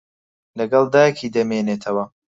لەگەڵ دایکی دەمێنێتەوە.